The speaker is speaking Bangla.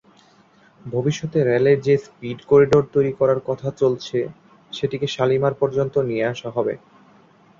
ভবিষ্যতে রেলের যে ‘স্পিড করিডর’ তৈরি করার কথা চলছে, সেটিকে শালিমার পর্যন্ত নিয়ে আসা হবে।